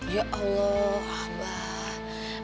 ya allah abang